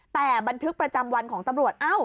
แต่บันทึกประจำวันของตำรวจ